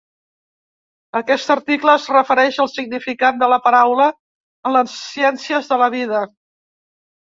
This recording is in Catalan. Aquest article es refereix al significat de la paraula en les ciències de la vida.